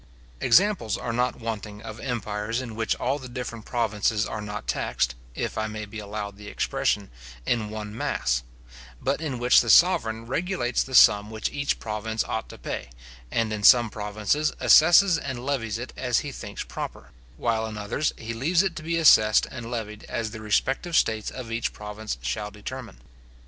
Examples are not wanting of empires in which all the different provinces are not taxed, if I may be allowed the expression, in one mass; but in which the sovereign regulates the sum which each province ought to pay, and in some provinces assesses and levies it as he thinks proper; while in others he leaves it to be assessed and levied as the respective states of each province shall determine.